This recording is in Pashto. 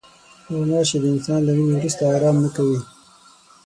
غوماشې د انسان له وینې وروسته آرام نه کوي.